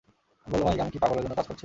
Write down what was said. বলো মাইক, আমি কি পাগলের জন্য কাজ করছি?